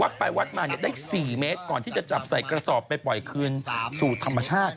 วัดไปวัดมาเนี่ยได้๔เมตรก่อนที่จะจับใส่กระสอบไปปล่อยคืนสู่ธรรมชาติ